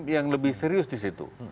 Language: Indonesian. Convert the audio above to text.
yang lebih serius di situ